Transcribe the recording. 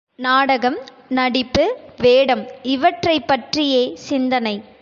நாடகம், நடிப்பு, வேடம் இவற்றைப்பற்றியே சிந்தனை.